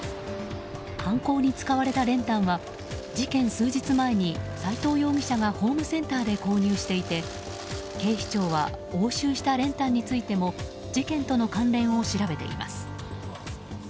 犯行に使われた練炭は事件数日前に斎藤容疑者がホームセンターで購入していて警視庁は押収した練炭についても事件との関連を調べています。